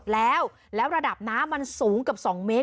แล้วระดับน้ำมันสูงกับ๒เมตร